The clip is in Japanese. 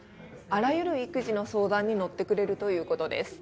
あらゆる育児の相談に乗ってくれるということです。